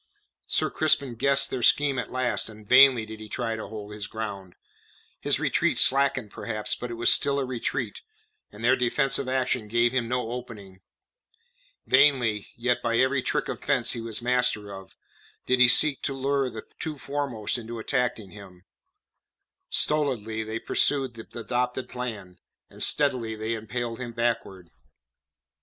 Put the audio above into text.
Sir Crispin guessed their scheme at last, and vainly did he try to hold his ground; his retreat slackened perhaps, but it was still a retreat, and their defensive action gave him no opening. Vainly, yet by every trick of fence he was master of, did he seek to lure the two foremost into attacking him; stolidly they pursued the adopted plan, and steadily they impelled him backward.